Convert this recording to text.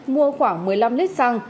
mua khoảng một mươi năm lít xăng